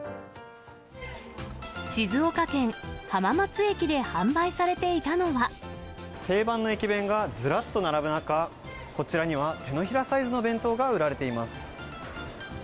静岡県浜松駅で販売されてい定番の駅弁がずらっと並ぶ中、こちらには手のひらサイズの弁当が売られています。